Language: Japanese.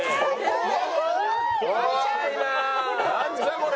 これ。